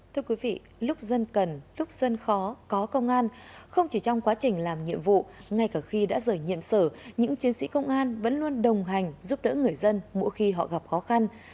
thưa quý vị lúc dân cần lúc dân khó có công an không chỉ trong quá trình làm nhiệm vụ ngay cả khi đã rời nhiệm sở những chiến sĩ công an vẫn luôn đồng hành giúp đỡ người dân mỗi khi họ gặp khó khăn